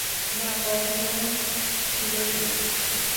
না, কখনও ছিলোও না!